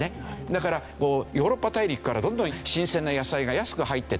だからヨーロッパ大陸からどんどん新鮮な野菜が安く入ってた。